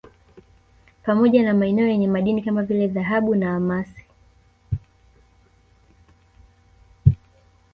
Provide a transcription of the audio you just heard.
Pamoja na maeneo yenye madini kama vile dhahabu na almasi